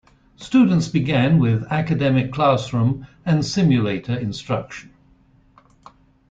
Students began with academic classroom and simulator instruction.